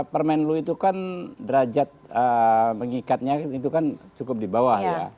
permen lu itu kan derajat mengikatnya itu kan cukup di bawah ya